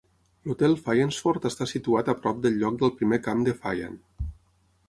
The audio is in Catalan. L'Hotel Fyansford està situat a prop del lloc del primer camp de Fyan.